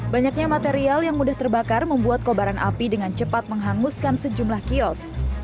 banyaknya material yang mudah terbakar membuat kobaran api dengan cepat menghanguskan sejumlah kios